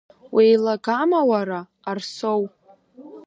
Уеилагама уара, Арсоу?